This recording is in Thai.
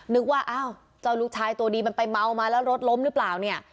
นึกว่าอ้าวเจ้าลูกชายตัวดีมันไปเมามาแล้วรถล้มหรือเปล่าเนี่ย